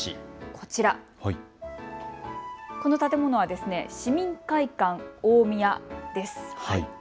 こちら、この建物はですね市民会館おおみやです。